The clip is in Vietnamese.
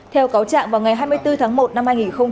theo cáo trạng vào ngày hai mươi bốn tháng một năm hai nghìn hai mươi